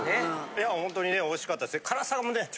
いやホントにおいしかったですね。